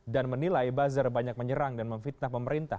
dan menilai bazar banyak menyerang dan memfitnah pemerintah